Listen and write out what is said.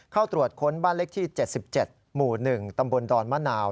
เข้าตรวจค้นบ้านเลขที่๗๗หมู่๑ตำบลดอนมะนาว